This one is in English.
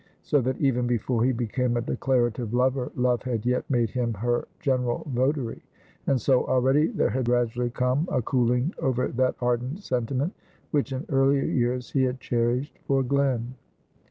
So that even before he became a declarative lover, Love had yet made him her general votary; and so already there had gradually come a cooling over that ardent sentiment which in earlier years he had cherished for Glen.